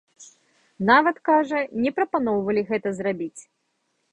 Нават, кажа, не прапаноўвалі гэта зрабіць.